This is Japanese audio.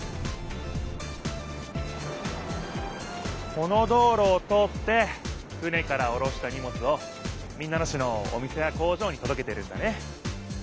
この道ろを通って船からおろしたにもつを民奈野市のお店や工場にとどけてるんだね。